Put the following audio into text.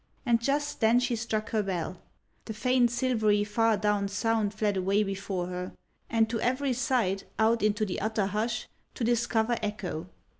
And just then she struck her bell; the faint silvery far down sound fled away before her, and to every side, out into the utter hush, to discover echo.